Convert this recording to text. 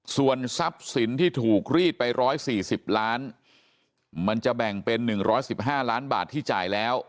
ส่วนทรัพย์สินที่ถูกรีดไป๑๔๐ล้านมันจะแบ่งเป็น๑๑๕ล้านบาทที่จ่ายแล้ว